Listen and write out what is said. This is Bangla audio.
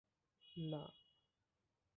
না।